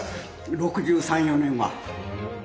６３６４年は。